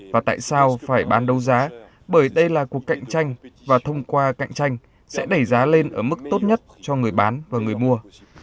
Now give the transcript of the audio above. và tại sao phải bán đấu giá bởi đây là cuộc cạnh tranh và thông qua cạnh tranh sẽ đẩy giá lên ở mức tốt nhất cho người bán và người mua